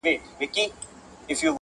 یو پوزک او خولۍ یې راته واخیستل